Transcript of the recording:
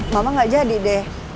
mama gak jadi deh